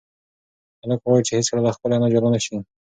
هلک غواړي چې هیڅکله له خپلې انا جلا نشي.